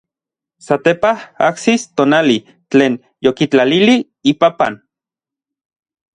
Satepaj ajsis tonali tlen yokitlalilij ipapan.